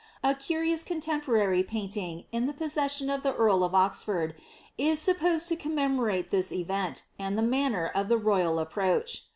A curious contemporary painting, in the possession of the earl of Oxford, is supposed to com memorate this event, and the manner of the royal approach.